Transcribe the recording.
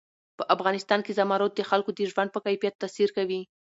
په افغانستان کې زمرد د خلکو د ژوند په کیفیت تاثیر کوي.